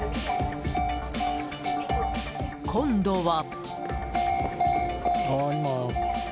今度は。